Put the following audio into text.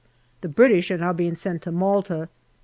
The British are now being sent to Malta.